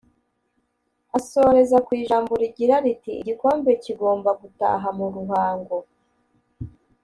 ’ asoreza ku ijambo rigira riti "Igikombe kigomba gutaha mu Ruhango’